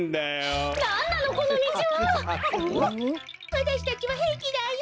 わたしたちはへいきだよ！